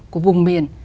của vùng miền